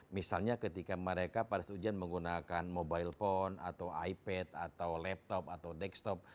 misalnya ketika mereka pada saat ujian menggunakan mobile phone atau ipad atau laptop atau dextop